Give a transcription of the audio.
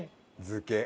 漬け。